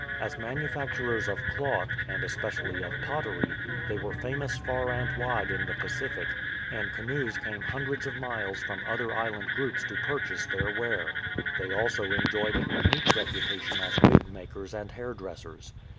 As manufacturers of cloth, and especially of pottery, they were famous far and wide in the Pacific, and canoes came hundreds of miles from other island groups to purchase their ware. They also enjoyed a unique reputation as wig makers and hairdressers.